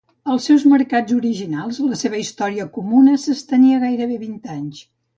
Als seus mercats originals, la seva història comuna s'estenia gairebé vint anys.